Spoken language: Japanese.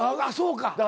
あっそうか。